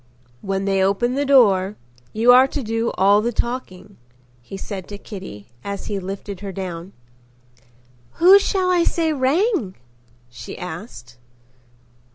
"When they open the door, you are to do all the talking," he said to Kitty as he lifted her down. "Who shall I say rang?" she asked.